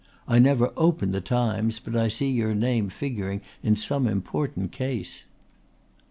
I never open the Times but I see your name figuring in some important case."